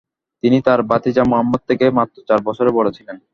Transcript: তিনি তার ভাতিজা মুহাম্মদ থেকে মাত্র চার বছরের বড় ছিলেন।